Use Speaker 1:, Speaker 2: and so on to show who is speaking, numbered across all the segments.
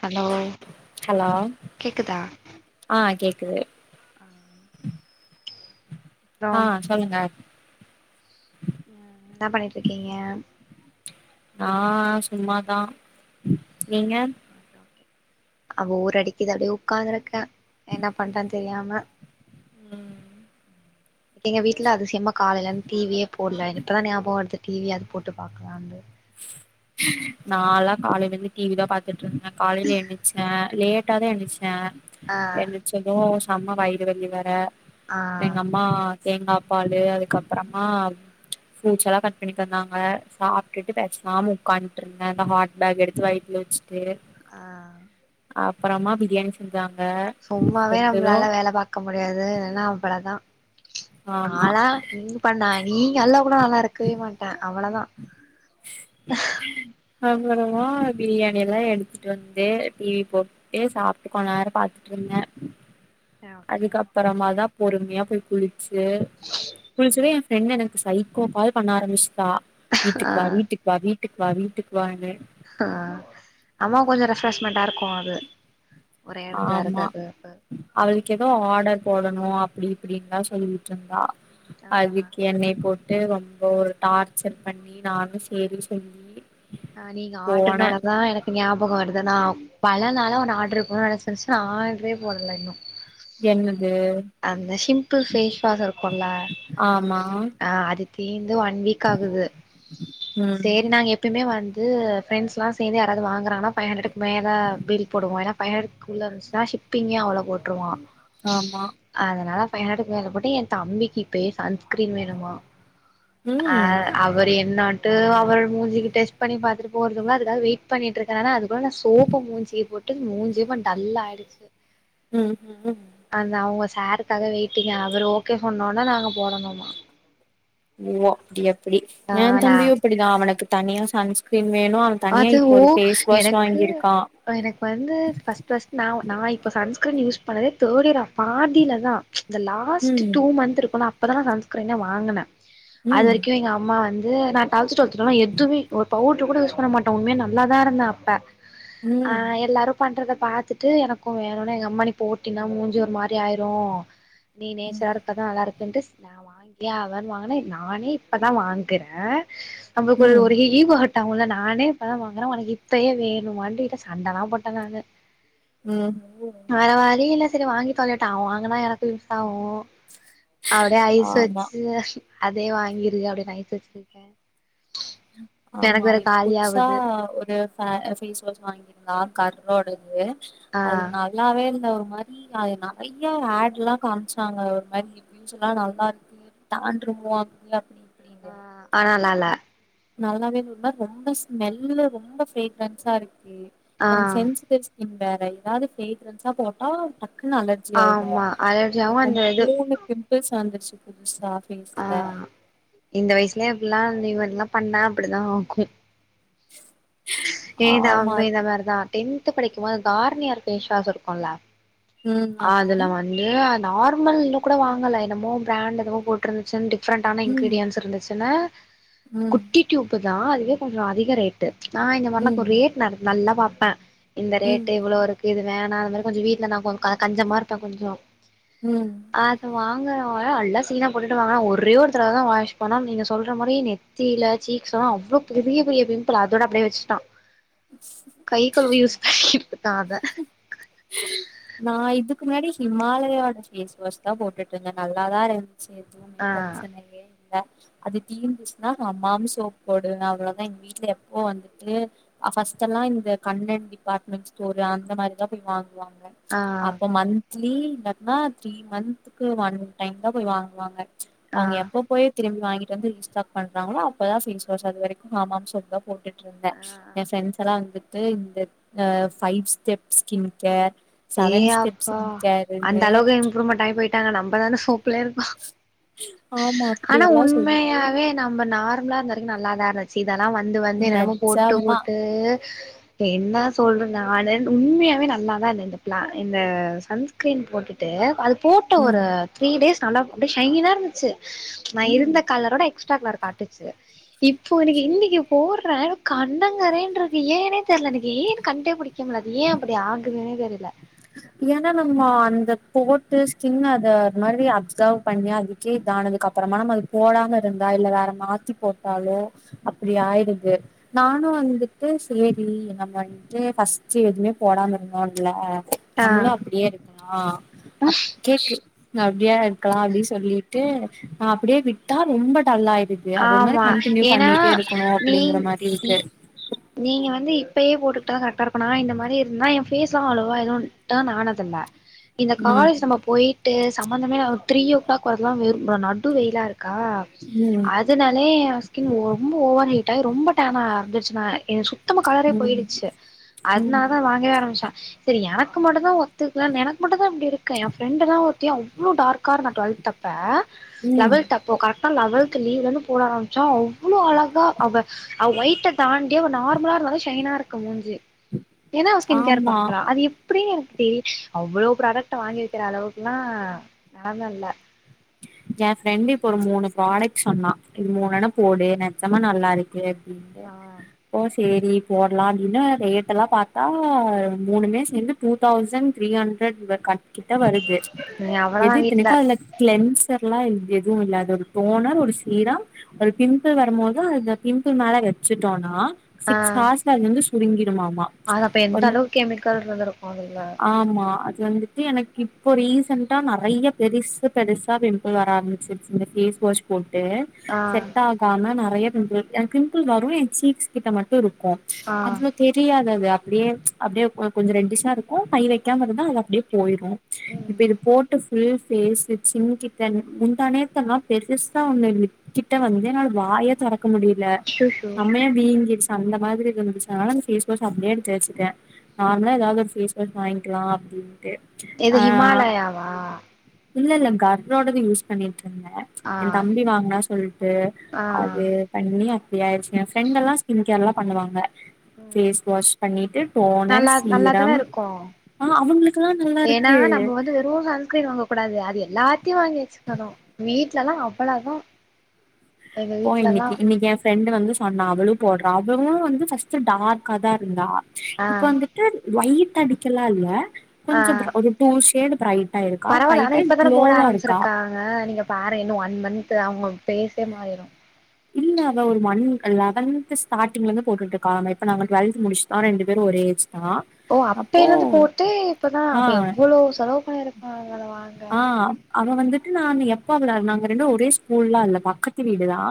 Speaker 1: hello
Speaker 2: hello
Speaker 1: கேக்குதா
Speaker 2: ஆ கேக் குது
Speaker 1: ஆ அப்றோ
Speaker 2: ஆ சொல்லுங்க
Speaker 1: ம் என்னா பண்ணிட்ருக்கீங்க
Speaker 2: நா சும்மாதா நீங்க
Speaker 1: அ போர் அடிக்குது அப்டியே உக்காந்ருக்கே என்ன பண்றந்த் தெரியாம
Speaker 2: ம்
Speaker 1: எங்க வீட்ல அதிசயமா காலைலந் டீவியே போட்ல இப்பதா ஞாபகோ வருது டீவியாது போட்டு பாக்லானு
Speaker 2: நாலா காலையில இருந்து டீவி தா பாத்துட்ருந்தே காலைல ஏந்திச்சே லேட்டா தா எந்திச் அ
Speaker 1: ஆ
Speaker 2: எந்துச்சந்தோஷ் நம்ம வயிறு வலி வேற
Speaker 1: ஆ
Speaker 2: எங்கம்மா தேங்கா பாலு அதுக்கப்பறமா புருட்ஸ் எல்லா கட் பண்ணி தந்தாங்க சாப்டுட்டு பேசாம உக்காண்ருந்த அந்த ஹாட் பேக் எடுத்து வைத்தல வச்சிட்டு
Speaker 1: ஆ
Speaker 2: அப்றம்மா பிரியாணி செஞ்
Speaker 1: சும்மாவே நம்மளால வேல பாக்க முடியாது என்னனா அம்பளதா
Speaker 2: ஆமா
Speaker 1: ஆளா லிங் பண்ணாய் நீங்க எல்லா கூட நல்லாருக்கவே மாட்ட அவ்ளதா
Speaker 2: அப்பறமா பிரியாணி எல்லா எடுத்துட்டு வந்து டிவி போட்டு சாப்ட்டு கொஞ்ச நேர பாத்துட்ருந்த
Speaker 1: ஓகே ஓகே
Speaker 2: அதுக்கப்பறமாதா பொறுமையா போய் புளிப் ச புளிச்சத
Speaker 1: ம்
Speaker 2: ஏ ஃப்ரெண்ட் எனக் சைகோ கால் பண்ண ஆரம்பிச் தா
Speaker 1: ஆ
Speaker 2: வீட்டுக் வா வீட்டுக் வா வீட்டுக் வா வீட்டுக் வாங்க
Speaker 1: ஆ அம்மாக் கொஞ்சோ ரெஃப்ரெஷ்மென்டா இருக்கு அது ஒரே எடத்தல
Speaker 2: ஆமா
Speaker 1: இருக்காது ப
Speaker 2: அவளுக்கு ஏதோ ஆர்டர் போடணு அப்டி இப்டின்னா சொல்லிட்ருந்தா
Speaker 1: ஆ
Speaker 2: அதுக் என்னைய போ ட்டு ரொம்ப ஒரு டார்ச்சர் பண்ணி நானு சேரி சொல்லி
Speaker 1: அ நீங்க ஆடின்ன
Speaker 2: போனே
Speaker 1: ஒடனதா எனக்கு ஞா போக வருதன்னாவு பலனால ஒன்னு ஆட்ர்ரு போனா நெனைச்சிருச்சி நா ஆர்ட்ரே போடல இன்னு
Speaker 2: என்னன்
Speaker 1: அந்த ஷிம்பிள் ஃபேஸ் வாஷ் இருக்கோல
Speaker 2: ஆமா
Speaker 1: அ அது தீன் இது ஒன் வீக் ஆகுது
Speaker 2: ம்
Speaker 1: சேரி நாங்க எப்புயுமே வந்து ஃப்ரென்ட்ஸ்லா சேந்து யாராது வாங்காரானா ஃபை ஹண்டர்டுக்கு மேலே பில் போடுவோ ஏனா ஃபைவ் ஹண்டர்க்குள்ள இருந்துச்சுனா ஷிப்பிங்யே அவ்ளோ போட்ருவா
Speaker 2: ஆமா
Speaker 1: அதனால ஃபைவ் ஹண்ட்ர் மேல போட்டு என் தம்பிக்கு இப்பயே சன்ஸ்கிரீம் வேணுமா அ
Speaker 2: ம்
Speaker 1: அவர் என்னாட்டு அவர் மூஞ்சிகிட்ட செக் பண்ணி பாத்துட்டு போறதுக்குல்ல அதுக்காக வெயிட் பண்ணிட்ருக்க ஆனா அதுக்குள்ள நா சோப்பு மூஞ்சிக்கு போட்டு மூஞ்சி இம்மன் டல்லா ஆயிடுச்சு
Speaker 2: ம் ம்
Speaker 1: அந்த அவங்க சாருக்காக வெய்ட்டிங்கா அவுரு ஓகே சொன்ன ஒடனே நாங்க போடணுமா
Speaker 2: ஓ அப்டியா அப்டி ஏ
Speaker 1: ஆனா
Speaker 2: தம்பியு அப்படிதா அவனுக்கு தனியா சான்ஸ்கிரின்
Speaker 1: அதுவோ எனக்கு
Speaker 2: வாங்கியிருக்கா
Speaker 1: எனக்கு வந்து ஃப்ர்ஸ்ட் ஃப்ர்ஸ்ட் நா நா இப்ப சன் ஸ்க்ரீம் யூஸ் பண்ணதே தேர்ட் இயர்ல பாதியிலதா இந்த லாஸ்ட்
Speaker 2: ம்
Speaker 1: டூ மந்த் இருக்கோல அப் அப்பதா நா சன்ஸ்கிரேனே வாங்குன அது
Speaker 2: ம்
Speaker 1: வரைக்கோ எங்க அம்மா வந் இதுவே நா லெவென்த் ட்வல்த்துலா எதுவுமே ஒரு பவுடரு கூட யூஸ் பண்ண மாட்டோ உண்மையா நல்லாதா இருந்தே அப்ப ஆ
Speaker 2: ம்
Speaker 1: எல்லாரோ பண்றத பாத்துட்டு எனக்கோ வேணோனா எங்க அம்ம நீ போட்டீனா மூஞ்சு ஒரு மாரி ஆயிரோ நீ
Speaker 2: ம்
Speaker 1: நேச்சரா இருந்தாதா நல்லா இருப் [unintelligible] ஏ அவண் வாங்குன நானே இப்போ தா வாங்குற நம்புளுக்குள்
Speaker 2: ம்
Speaker 1: ஒரு ஈ ஈகோ ஹட் அவுங்கில்லனா நானே இப்பதா வாங்குற உனக்கு இப்பயே வேணுமான்டு வீட்ல சண்டலா போட்ட நானு
Speaker 2: ம்
Speaker 1: வேற வழி இல்ல சரி வாங்கி தொலையட்டோ அவ வாங்குனா எனக்கோ யூஸ் ஆவோ அப்டியே ஐஸ்
Speaker 2: ஆமா
Speaker 1: வெச்சு அதே வாங்கிருக்கு அப்டியே நைஸ் வெச்சிருக்க
Speaker 2: ஆமா அவளுது புதுசா
Speaker 1: ஆவுது
Speaker 2: ஒரு ஃபே ஃபேஸ் வாஷ் வாங்கியிருந்தா கர்ரோடுது
Speaker 1: ஆ
Speaker 2: அது நல்லாவே இல்ல ஒரு மாரி அது நறைய ஆட்ல்லா காம்ச்சாங்க ஒரு மாரி வியூஸ்ஸல்லா நல்லாருக்கு தாண்றுமோ அப்டி அப்டின்
Speaker 1: அ ஆனால் லால
Speaker 2: நல்லாவேள ஒரு மாரி ரொம்ப ஸ்மெல்லுல ரொம்ப ஃபேக்ரன்ஸ்ஸாருக் கே
Speaker 1: ஆ
Speaker 2: எனக்கு ஃபரெண்ஸ் கோச் இவ்வேற ஏதாவது ஃப்ரேக்ரன்ஸா போட்டா பக் குனு அலர்ஜி ஆயிரு
Speaker 1: ஆமா அலர்ஜியாவு
Speaker 2: இப்ப
Speaker 1: அந்த இது
Speaker 2: மூணு பிம்பிள்ஸ் வந்துருச் இப்புதுசா
Speaker 1: அ இந்த வயசுலயே இப்பிட்ல்லா வந்து இதுமாரிலா பண்ணா அப்படிதா ஆகு
Speaker 2: [inaudible] ஆமா
Speaker 1: ஏதாவ்வு இந்த மாரிதான் டென்த்து படிக்கும்போது கார்னியர் ஃபேஸ் வாஷ்ருக்குல்ல
Speaker 2: ம் ஆமா
Speaker 1: அதுல வந்து அந் நார்மல்ன்னு கூட வாங்கல என்னமோ பிராண்ட்டு எதுவோ போட்டுருந்துச்சின் டி ஃப்ரெண்டான
Speaker 2: ம்
Speaker 1: இன்கிரீடியன்ஸ் இருந்துச்சின்னு
Speaker 2: ம்
Speaker 1: குட்டி டியூப்பு நா அதுவே கொஞ்சோ அதிக ரேட்டு நா இந்த மாரில்லா கோ
Speaker 2: ம்
Speaker 1: ரேட் நல் நல்லா பாப் பே இந்த
Speaker 2: ம்
Speaker 1: ரேட்டு இவ்ளோருக்கு வேணா அது மாரி கொஞ்சோ வீட்டுலன்னாகு க கஞ்சமாருப்பே கொஞ்சோ
Speaker 2: ம்
Speaker 1: அதுவா அங்க அவுங்கல்லா நல்லா சீனா போட்டுட்டு வாங்குனா ஒரே ஒரு தடவ தா வாஷ் பண்ணோ நீங்க சொல்ற மாரி நெத்தியில சீக்ஸ்ஸு அவ்ளோ பெரிய பெரிய பிம்பிள் அதோட அப்டியே வச்சிட்டா கைக்கழுவி யூஸ் காக
Speaker 2: நா இதுக்கு முன்னாடி ஹிமாலயோட ஃபேஸ் வாஷ் தா போட்டுருக்கேங்க நல்லாதாருந் சி எதுவுமே
Speaker 1: ஆ
Speaker 2: பிரச்சனயே இல்ல அது தீந்துருச்சின்னா ஹமாம் சோப் போடுவ அவ்ளோ தா எங்க வீட்டுல எப்போ வந்துட்டு ஃபஸ்ட்டெல்லா இந்த கண்ணன் டிபார்ட்மெண்ட் ஸ்டோரு அந்த மாரிதா போய் வாங் வாங்குவோ
Speaker 1: ஆ
Speaker 2: அப்ப மன்த் திலீ இல்லட்னா த்ரீ மந்த்துக்கு ஒன் டைம் தா‌ போய் வாங்குவாங்க
Speaker 1: ஆ
Speaker 2: அவுங்க எப்ப போய் திரும்பி வாங்கிட்டு வந்து ரீஸ்டாக் பண்றாங்களோ அப்பதா ஃபேஸ் வாஷ் அது வரைக்கு ஹமாம் சோப் தா போட்டுட்டுருந்த
Speaker 1: ஆ
Speaker 2: என் பிரண்ட்ஸ் எல்லா வந்து து இந்த ஆ five step skin care seven steps
Speaker 1: ஏய்ஆப்பா அந்த
Speaker 2: நிக்காருன்னு
Speaker 1: அளவுக்கா இம்ப்ரூவ்மெண்டாய் போய் ட்டாங்க நம்மதான சோப் ப்புல இருக்கோ
Speaker 2: ஆமா
Speaker 1: ஆனா
Speaker 2: அப்டியெல்லா சொல்லி
Speaker 1: உண்மையாவே நம்ம நார் ம்லா இருந்தவறைக்கு நல்லாதா இருந்துச்சு இதெல்லா வந்து வந்து என்னென்னமோ போட்டு
Speaker 2: நெஜமா
Speaker 1: போட்டு என்னா சொல்ற நானு உண்மையாவே நல்லாதா இருந்துது க்லா இந்த சன்ஸ்க்ரீன் போட்டுட்டு அல் போட்ட ஒரு
Speaker 2: ம்
Speaker 1: த்ரீ டேஸ் நல்லா அப்டே ஷைனா இருந்திச்சு நா
Speaker 2: ம்
Speaker 1: இருந்த கலரோட எக்ஸ் டா கலர் காட்டிச்சு இப்போ இன்னக்கு இன்னிக்கி போட்றே கண்ணங்கரேன்றுக்கு ஏனே தெர்லெ எனக் ஏனு கண்டே புடிக்க முல்ல அது ஏ அப்டி ஆகுதுனே தெரில
Speaker 2: ஏன்னா நம்மோ அந்த போட்டு ஸ்கின்ன அத அது மாரி அப்சவ் பண்ணி அதுக்கேதானதுக்கு அப்பறமா நம்ம அது போடாம இருந்தா இல்ல வேற மாத்தி போட்டாலோ அப்புடி ஆய்டுது நானு வந்துட்டு சேரி நம்ம வன்ட்டு ஃபஸ்ட்டு எதுமே போடாம இருந்தோல
Speaker 1: ஆ
Speaker 2: நம்மளு அப்டியே இருக்கலா அப் கேஸு அப்டியா இருக்கலா அப்டி சொல்லிட்டு நா அப்டியே விட்டா ரொம்ப டல்லாய்
Speaker 1: ஆம்மா ஏன்னா நீங்
Speaker 2: அப்படிங்கிற மாதிரி
Speaker 1: நீ
Speaker 2: இருக்கு
Speaker 1: நீங்க வந்து இப்பயே போட்டுக்கிட்டாதா கரெட்டா இருக்கு நா இந்த மாரி இருந்தா ஏ ஃபேஸ்லா அவ்ளவா எது டேர்ன் ஆனதில்ல இந்த
Speaker 2: ம்
Speaker 1: காலேஜ் நம்ம போயிட்டு சம்மந்தமே இல்லாத த்ரீ ஓ கிளாக் வருதுலா வெறு நடு வெய்லா இருக் கா
Speaker 2: ம்
Speaker 1: அதனாலே ஏ ஸ்கின் ஓ ரொம்ப ஓவர் ஹீட்டாயி ரொம்ப டேனாக வந்துச்சுன்னா ஏ சு சுத்தமா கலரே
Speaker 2: ம்
Speaker 1: போயிடுச்சு அதனால
Speaker 2: ம்
Speaker 1: தா வாங்கவே ஆரமிச்சே செரி எனக்கு மட்டுந்தா ஒத்துக்கிலன் எனக் மட்டுந் தா அப்டி இருக்க ஏ ஃப்ரெண்டெல்லா ஒர் தி அவ் வ்ளோ டார்கா இருந்தா டுவெல்த் அப்ப
Speaker 2: ம்
Speaker 1: லெவல்த் அப்போ கரெக் டா லவல் து லீவ்லனு போட ஆரம்பிச்சா அவ்வுளோ அழகா அவ அவ ஒயிட்ட தாண்டி அவ நார்ம்லா இருந்தாலே ஷைனா இருக்க மூஞ்சி ஏன்னா அவ ஸ்கின் கேர்
Speaker 2: ஆமா
Speaker 1: பண்றா அது எப்டின் எனக்கு தெரில் அவ்ளோ ப்ராடெக்ட்ட வாங்கி வக்கிற அளவுக்குல்லா நலம இல்ல
Speaker 2: ஏ ஃப்ரெண்டு இப்ப ஒரு மூணு ப்ராடெக்ட் சொன்னா இது மூணெனா போடு நெச்சமா நல்லா இருக் கு அப்டின்டு
Speaker 1: ஆ
Speaker 2: ஓஸ் சேரி போட்லா அப்டின்னு ரேட்டெல்லா பாத்தா மூணுமே சேந்து டூ தௌசண் த்ரீ ஹண்ட்ரெட் இவ்வோ க கிட்ட வருது
Speaker 1: நீ
Speaker 2: எது
Speaker 1: அவ்ளோதா வீட்ல
Speaker 2: இத்தினிக்கு அதுல க்லென்ஸ் ர்லா எது இல்ல அது ஒரு டோனர் ஒரு சீரம் ஒரு பிம்பிள் வருமோது அத பிம்பிள் மேல வச்சிட்டோன்னா
Speaker 1: ஆ
Speaker 2: சிக்ஸ் ஹாஸ்ல அது வந்துஸ் புடிங்கி
Speaker 1: அது அப்ப எந்தளவுக் கெமிக்கல் இருந்துருக்கு அதுல
Speaker 2: இது வந்துட்டு எனக் இப்போ ரீசென்டா நறையா பெரிசு பெருசா பிம் பிள் வர ஆரம்பிச்சிர்சு இந்த ஃபேஸ் வாஷ் போட் டு
Speaker 1: ஆ
Speaker 2: செட்டாகாமா நறையப் என்க்கு என்க் பிம்புள் வரு என் சீக்ஸ் கிட்ட மட்டு இரு கு
Speaker 1: ஆ
Speaker 2: அவ்ளோ தெரியாதது அப்டியே அப்டியே வ கொஞ்ச ரெட்டிஸ்ஸா இருக்கு கை வெக்காம இருந்தா அது அப்டே போய்ரு இப்ப
Speaker 1: ம்
Speaker 2: இது போட்டுஃப் ஃபுல் பேஸ் சிமுக்கி கென் முந்தாநேத்தெல்லா பெருசா ஒன்னுன்னு கிட்ட வந்தேனாலு வாய தொறக் க்கு முடில
Speaker 1: அச்சச்சோ
Speaker 2: அம்மையா வீங்கிடிஸ் அந்த மாதிரி இருந்துச்சுனால பேஸ் வாஷ் அப்டியே எடுத்து வச்சிக்கே நார்ம்லா எதாது ஒரு பேஸ் வாஸ் வாங்கிக்குலா அப்டின்
Speaker 1: எது ஹிமாலயாவா
Speaker 2: இல்ல இல்லங்காரு ரோடது யூஸ் பண்ணிட் ரிந்த
Speaker 1: ஆ
Speaker 2: என் தம்பி வாங்குனா சொல்லிட்டு
Speaker 1: ஆ
Speaker 2: அது பண்ணியா இப்டியார்சுங்க ஃபிரெண்டெல்லா ஸ்கின் கேர்லா பண்ணுவாங்க
Speaker 1: ம்
Speaker 2: பேஸ் வாஷ் பண்ணிட்டு டோனர்
Speaker 1: நல்லா
Speaker 2: சீரம்
Speaker 1: நல்லாதான இருக்கு
Speaker 2: ஆ அவுங்குளுக்குலா
Speaker 1: ஏன்னா
Speaker 2: நல்லாருக்கு
Speaker 1: எல்லாத்தியு வாங்கி வச்சுக்கணு வீட்லலா அவ்வள தா
Speaker 2: ஓ இன்னைக்கு இன்னைக்கு ஏ ஃபிரெண்டு வந்து சொன்னா அவளவு போட்றா வ அவளு வந்து ஃபஸ்ட்டு டார்க்காதா இருந்தா
Speaker 1: ஆ
Speaker 2: இப்ப வந்துட்டு ஒய்யிட் அடிக்கலா இல்ல
Speaker 1: ஆ
Speaker 2: கொஞ்சம் ரா ஒரு டூ ஷேடு ட்ரை
Speaker 1: பரவால்ல ஆனா இப்பதான போட ஆரமிச்சிருக்காங்க நீங்க பாருங்க இன்னு ஒன் மன் த்து அவுங்க பேசே மாறிரு
Speaker 2: இல்ல அவ ஒரு மண் லவன்த்து ஸ்டாடிங்ல இருந்து போட்டுட்ருக்காங்க எப்ப நாங்க டுவெல்த்து முடிஸ்டோ ரெண்டு பேரு ஒரே ஏஜ் தா
Speaker 1: ஓ அப்ப
Speaker 2: அப்போ
Speaker 1: இருந்து போட்டு இப்பதா
Speaker 2: ஆ
Speaker 1: அப்ப எவ்வுளோ செலவு பண்ணிரு
Speaker 2: ஆ அவ வந்து கு நானு எப்ப அவுள நாங்க ரெண்டு ஒரே ஸ்கூலா அந்த பக்கத்து வீடுதா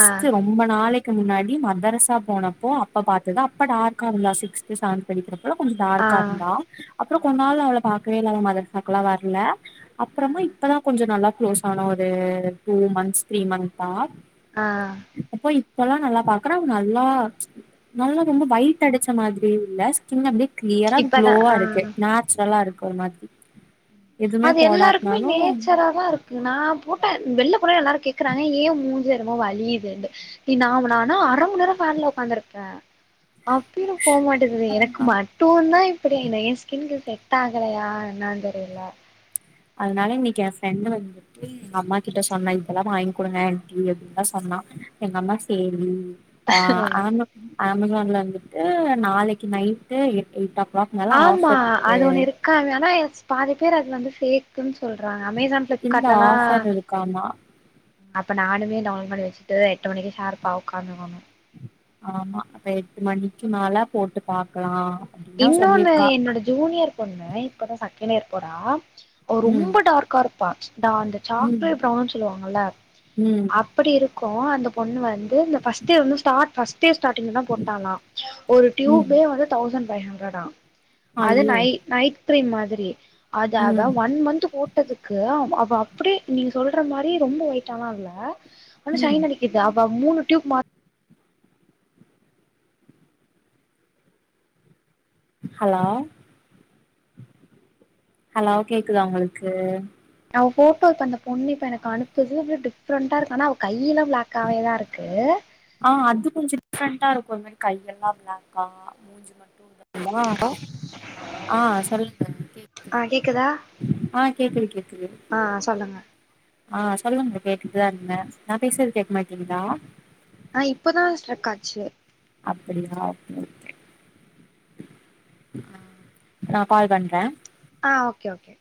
Speaker 1: ஆ
Speaker 2: ரொம்ப நாளை கு முன்னாடி மதரஸ்ஸா போனப்போ அப்ப பாத்துதா அப்ப டார்க்கா இருந்தா சிக்ஸ்த்து சவன்த் படிக்கிற பள கொஞ்ச
Speaker 1: ஆ
Speaker 2: டார்க்கா இருந்தா அப்புறோ
Speaker 1: ஆ
Speaker 2: கொன் நாள் அவள பா கேல் அவ மதர்சா குலவார் இல்ல
Speaker 1: ஆ
Speaker 2: அப்றமா இப்பதா கொஞ்ச நல்லா க்ளோஸ் ஆனோ ஒரு டூ மந்த்ஸ் த்ரீ மந்த் தா
Speaker 1: அ அ
Speaker 2: போலா நல்லா பாக்குற அவ்ங்க அல்லா நல்லா ரொம்ப வயிட் அடிச்ச மாத்ரி இல்ல ஸ்கின் அப்டே க்ளியரா
Speaker 1: இப்பதா
Speaker 2: க்ளோவா
Speaker 1: ஆ
Speaker 2: இருக்கு நேச்ரலா இருக்கு ஒரு மாத்ரி
Speaker 1: அது எல்லாருக்குமே நேச்சரா தா இருக்கு நா போட்ட வெள்ள போனா எல்லாரு கேக்குறாங்க ஏ மூஞ்சுல என்னமோ வலியுதுன்னு நீ நா ந ஆனா அர மண் நேரோ ஃபேன்ல ஒக்காந்துருப்பே அப்யு போக மாட்டது எனக்கு மட்டு தா இப்புடி என்ன ஏ ஸ்கின் டிசைன் டாகலையா என்னான்டு தி இல்ல
Speaker 2: அது னால இன்னக்கு என் ஃப்ரெண்டு வந்துட்டு எங்க அம்மா கிட்ட சொன்னா இதல்லா வாங்கி் கு டுங்க ஆன்ட்டி அப்டின் லா சொன்னா எங்க அம்மா சேரி ஓ ஆம அமேசான்ல வந்துட்டு நாளக்கு நைட்டு எட்டு எயிட்டா
Speaker 1: ஆமா அது ஒன்னு இருக்காது ஆனா பாதி பேர் அது வந்து ஃபேக் குன் சொல்றாங்க அமேசான்
Speaker 2: இந்த
Speaker 1: ப்ளிப்கார்ட்லா
Speaker 2: ஆஃபர் இருக்காமா
Speaker 1: அப்ப நானுமே டவுன்லோ பண்ணி வச் டுது எட்டு மணிக்கு ஷார்ப்பா உக்காந்துகோங்க
Speaker 2: ஆமா அப்ப எட்டு மணிக்கு மேல போட்டு பாக்குலா
Speaker 1: இன்னொன்னு என்னோட ஜூனியர் பொண்ணு இப்பதா சட் கினியர் போறா அவ
Speaker 2: ம்
Speaker 1: ரொம்ப டார்க்காரு பாட் நா அந்த
Speaker 2: ம்
Speaker 1: சாக்லேட் ப்ரவுனுன் சொல்வாங்கல்ல
Speaker 2: ம்
Speaker 1: அப்படி இரு கோ அந்த பொண்ணு வந்து இந்த ஃபஸ்டியர் வந்து ஸ்டாட் ஃபஸ்ட் ஸ்டாடிங்ல தா போட்டாலா ஒரு
Speaker 2: ம்
Speaker 1: ட்யூபபே வந்து தௌஸ் ஃபை ஹண்ரடா அது
Speaker 2: ஐயோ
Speaker 1: நை நைட் க்ரீம் மாதிரியே அத அவ
Speaker 2: ம்
Speaker 1: ஒன் மந்து போட்டதுக்கு அவ அப் ப அப்டியே நீங்க சொல்ற மாரி ரொம்போ ஒயிட்டாலா இல்ல ஆனா
Speaker 2: ம்
Speaker 1: ஷய்ன் அடிக்குது இப்ப அவ மூணு டியூப் மாட்
Speaker 2: ஹலோ ஹலோ கேக்குதா உங்குளுக்கு
Speaker 1: நா அவ ஃபோட்டோ இப்போ அந்த பொண்ணு இப்போ எனக்கு அனுப்புது அப்டீயே டிஃப்ரெண்ட்டா இருக்கு ஆனா அவ கையிலா ப்ளாக்காவே தா இருக்கு
Speaker 2: அ அது கொஞ்சோ டிஃப்ரெண்டா இருக்குமேரி கையெல்லா ப்ளாக்கா மூஞ்சு மட் சொல்லட்டுமா அ சொல்லுங்க கேக்குதுங்க
Speaker 1: ஆ கேக்குதா
Speaker 2: ஆ கேக்குது கேக்குது
Speaker 1: ஆ சொல்லுங்க
Speaker 2: ஆ சொல்லுங்க கேட்டுட்டுதா இருந்தே நா பேசுறது கேக்கமாட்டீங்குதா
Speaker 1: அ இப்பதா ஸ்ட்ரகாச்சு
Speaker 2: அப்பிடியா ஓக்கே ஓகே அ நா கால் பண்ற
Speaker 1: ஆ ஓகே ஓகே